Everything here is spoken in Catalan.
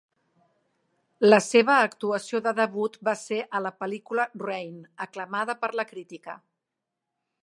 La seva actuació de debut va ser a la pel·lícula "Rain", aclamada per la crítica.